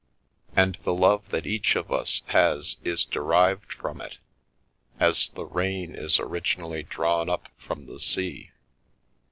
And the love that each of us has is de rived from it, as the rain is originally drawn up from the sea.